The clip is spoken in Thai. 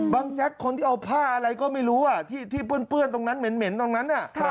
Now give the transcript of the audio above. แจ๊กคนที่เอาผ้าอะไรก็ไม่รู้ที่เปื้อนตรงนั้นเหม็นตรงนั้น